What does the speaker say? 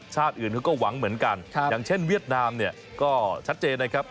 อื่นเขาก็หวังเหมือนกันอย่างเช่นเวียดนามเนี่ยก็ชัดเจนนะครับ